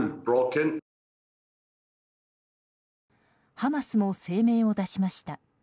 ハマスも声明を出しました。